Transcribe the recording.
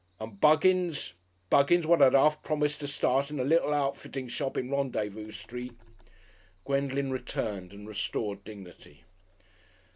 And Buggins Buggins what I'd 'arf promised to start in a lill' outfitting shop in Rendezvous Street."... Gwendolen returned and restored dignity.